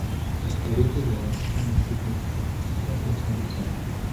Urefu wa wastani siku tatu hadi tano.